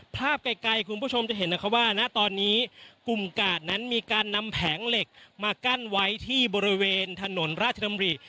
ภาพไกลคุณผู้ชมจะเห็นนะคะว่าณตอนนี้กลุ่มกาดนั้นมีการนำแผงเหล็กมากั้นไว้ที่บริเวณถนนราชดำริ